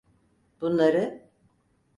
Bunları…